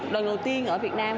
lần đầu tiên ở việt nam